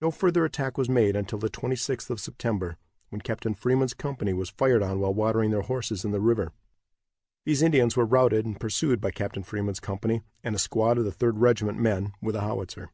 No further attack was made until the 26th of September, when Captain Freeman's company was fired on while watering their horses in the river. These Indians were routed and pursued by Captain Freeman's company, and a squad of the Third Regiment men, with a howitzer.